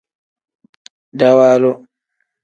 Dawaalu.